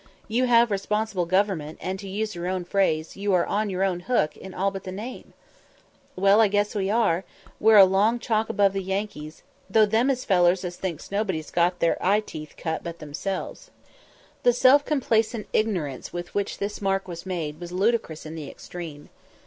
"You have responsible government, and, to use your own phrase, you are on 'your own hook' in all but the name." "Well, I guess as we are; we're a long chalk above the Yankees, though them is fellers as thinks nobody's got their eye teeth cut but themselves." The self complacent ignorance with which this remark was made was ludicrous in the extreme.